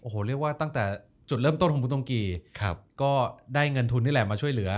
โอ้โหเรียกว่าตั้งแต่จุดเริ่มต้นของคุณตรงกีก็ได้เงินทุนนี่แหละมาช่วยเหลือ